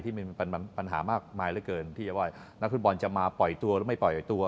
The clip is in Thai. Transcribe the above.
มีปัญหามากมายเหลือเกินที่ว่านักฟุตบอลจะมาปล่อยตัวหรือไม่ปล่อยตัว